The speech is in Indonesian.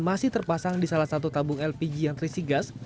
masih terpasang di salah satu tabung lpg yang terisi gas